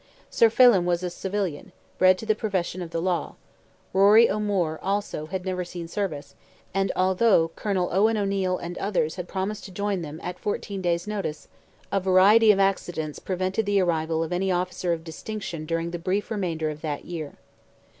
Sir Phelim was a civilian, bred to the profession of the law; Rory O'Moore, also, had never seen service; and although Colonel Owen O'Neil and others had promised to join them "at fourteen days' notice," a variety of accidents prevented the arrival of any officer of distinction during the brief remainder of that year.